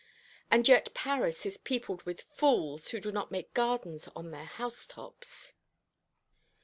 And yet Paris is peopled with fools who do not make gardens on their housetops!"